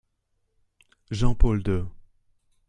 Jean-Paul II.